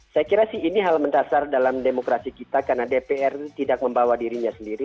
saya kira sih ini hal mendasar dalam demokrasi kita karena dpr tidak membawa dirinya sendiri